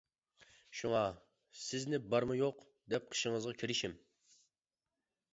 شۇڭا، سىزنى بارمۇ-يوق، دەپ قېشىڭىزغا كىرىشىم.